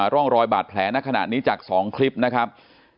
ร่องรอยบาดแผลในขณะนี้จาก๒คลิปนะครับ